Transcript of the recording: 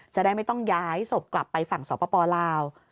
จะได้ไม่ต้องย้ายศพกลับไปฝั่งสปลาว